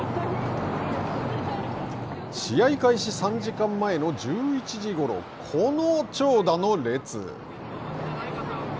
試合開始３時間前の１１時ごろ、この長蛇の列。